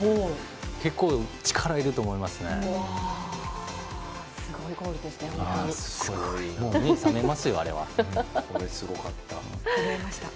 結構、力がいると思いますね。